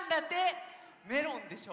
メロンでしょ！